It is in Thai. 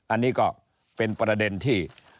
อันนี้ก็เป็นประเด็นที่